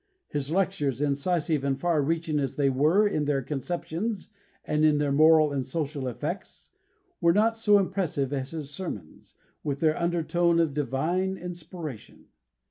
His lectures, incisive and far reaching as they were in their conceptions and in their moral and social effects, were not so impressive as his sermons, with their undertone of divine inspiration.